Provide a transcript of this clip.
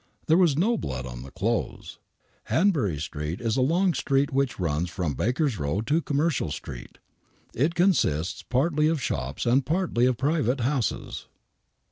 There was no blood on the clothes. Hanbury Street is a long street which runs from Baker's Row to Commercial Street. It consists partly of shops and partly of private houses.